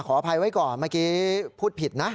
อภัยไว้ก่อนเมื่อกี้พูดผิดนะ